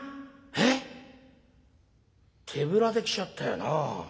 えっ？手ぶらで来ちゃったよな。